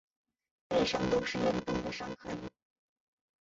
背上都是严重的伤痕